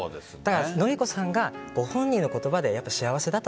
典子さんがご本人の言葉で幸せだった。